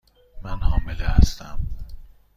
من حامله هستم.